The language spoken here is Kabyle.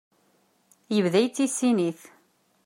Yebda yettissin-it.